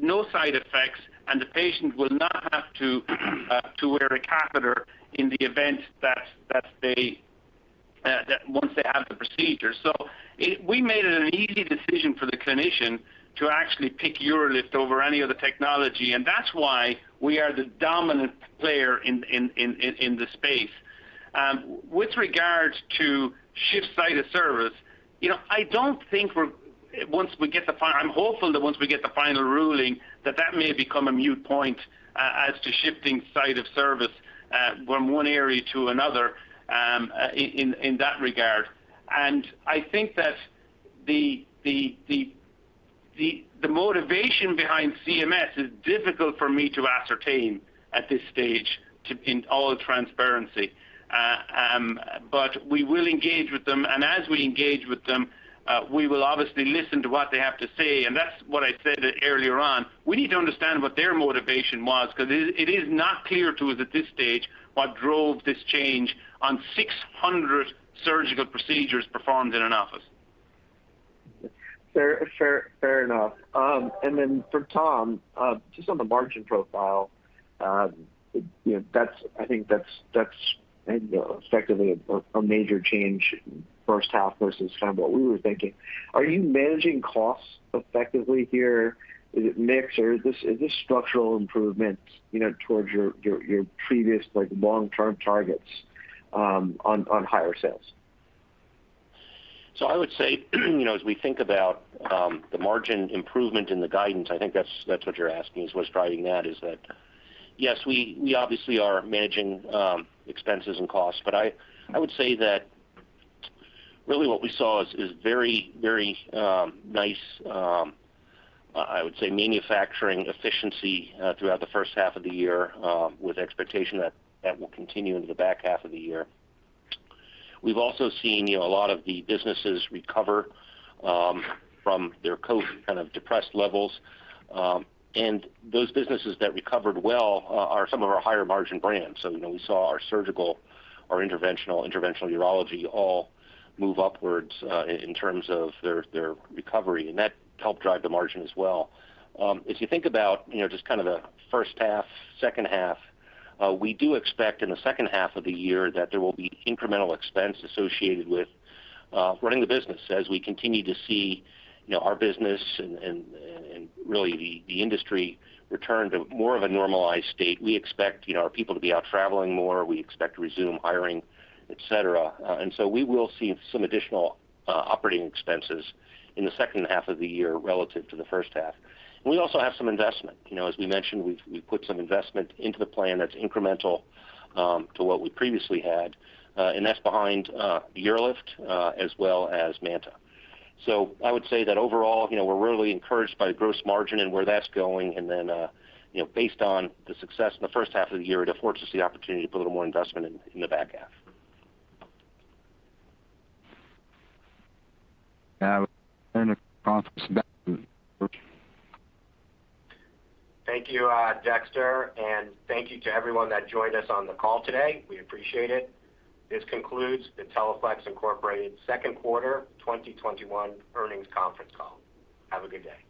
no side effects, and the patient will not have to wear a catheter in the event that once they have the procedure. We made it an easy decision for the clinician to actually pick UroLift over any other technology, and that's why we are the dominant player in this space. With regards to shift site of service, I'm hopeful that once we get the final ruling, that that may become a moot point as to shifting site of service from one area to another in that regard. I think that the motivation behind CMS is difficult for me to ascertain at this stage in all transparency. We will engage with them, and as we engage with them, we will obviously listen to what they have to say, and that's what I said earlier on. We need to understand what their motivation was, because it is not clear to us at this stage what drove this change on 600 surgical procedures performed in an office. Fair enough. For Tom, just on the margin profile, I think that's effectively a major change first half versus kind of what we were thinking. Are you managing costs effectively here? Is it mix or is this structural improvement towards your previous long-term targets on higher sales? I would say as we think about the margin improvement in the guidance, I think that's what you're asking is what's driving that is that yes, we obviously are managing expenses and costs. I would say that really what we saw is very nice, I would say manufacturing efficiency throughout the first half of the year with expectation that that will continue into the back half of the year. We've also seen a lot of the businesses recover from their COVID kind of depressed levels. Those businesses that recovered well are some of our higher margin brands. We saw our Surgical, our Interventional Urology all move upwards in terms of their recovery, and that helped drive the margin as well. If you think about just kind of the first half, second half, we do expect in the second half of the year that there will be incremental expense associated with running the business as we continue to see our business and really the industry return to more of a normalized state. We expect our people to be out traveling more. We expect to resume hiring, et cetera. We will see some additional operating expenses in the second half of the year relative to the first half. We also have some investment. As we mentioned, we've put some investment into the plan that's incremental to what we previously had, and that's behind UroLift as well as MANTA. I would say that overall, we're really encouraged by gross margin and where that's going, and then based on the success in the first half of the year, it affords us the opportunity to put a little more investment in the back half. Thank you, Dexter, and thank you to everyone that joined us on the call today. We appreciate it. This concludes the Teleflex Incorporated second quarter 2021 earnings conference call. Have a good day.